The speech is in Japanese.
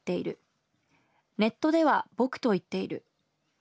ネットではボクと言っている。